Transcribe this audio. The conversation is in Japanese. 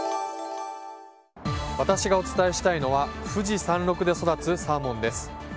私がお伝えしたいのは富士山麓で育つサーモンです。